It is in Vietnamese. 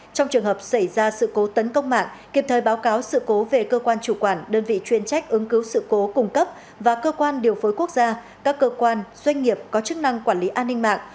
trong trường hợp xảy ra sự cố tấn công mạng kịp thời báo cáo sự cố về cơ quan chủ quản đơn vị chuyên trách ứng cứu sự cố cung cấp và cơ quan điều phối quốc gia các cơ quan doanh nghiệp có chức năng quản lý an ninh mạng